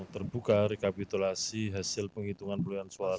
terbuka rekapitulasi hasil penghitungan perolehan suara